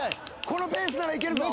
このペースならいけるぞ。